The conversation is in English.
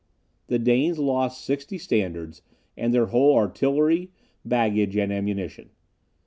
The Danes lost sixty standards, and their whole artillery, baggage, and ammunition.